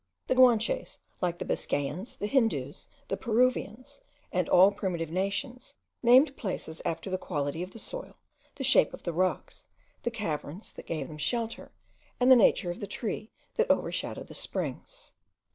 The Guanches, like the Biscayans, the Hindoos, the Peruvians, and all primitive nations, named places after the quality of the soil, the shape of the rocks, the caverns that gave them shelter, and the nature of the tree that overshadowed the springs.